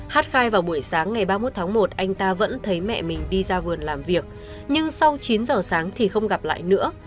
hát khai vào buổi sáng ngày ba mươi một tháng một anh ta vẫn thấy mẹ mình đi ra vườn làm việc nhưng sau chín giờ sáng thì không gặp lại nữa